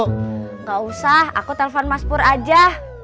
enggak usah aku telepon mas pur aja